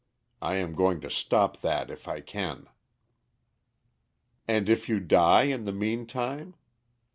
I am going to stop that if I can." "And if you die in the meantime?